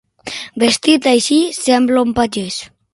Vestit així, sembla un pagès.